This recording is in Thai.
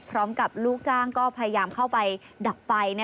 พร้อมกับลูกจ้างก็พยายามเข้าไปดับไฟ